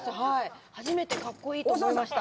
初めて格好いいと思いました。